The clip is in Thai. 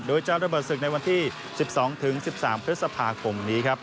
โดยเจ้าระบบศึกในวันที่๑๒๑๓พฤษภาคม